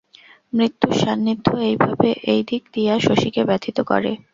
মৃত্যুর সান্নিধ্য এইভাবে এইদিক দিয়া শশীকে ব্যথিত করে।